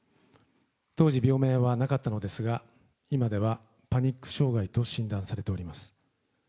当時、病名はなかったのですが、今ではパニック障害と診断されております。